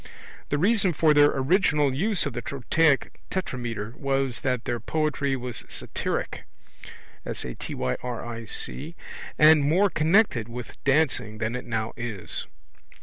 The reason for their original use of the trochaic tetrameter was that their poetry was satyric and more connected with dancing than it now is.